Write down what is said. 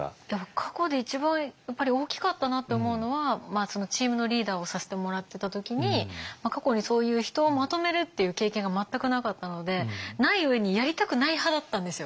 過去で一番大きかったなと思うのはチームのリーダーをさせてもらってた時に過去にそういう人をまとめるっていう経験が全くなかったのでない上にやりたくない派だったんですよ。